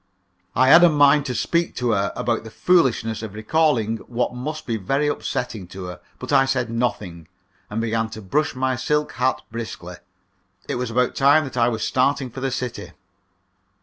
I had a mind to speak to her about the foolishness of recalling what must be very upsetting to her. But I said nothing, and began to brush my silk hat briskly. It was about time that I was starting for the city.